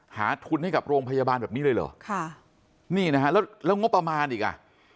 หาทุนให้กับโรงพยาบาลแบบนี้เลยเหรอค่ะนี่นะฮะแล้วแล้วงบประมาณอีกอ่ะ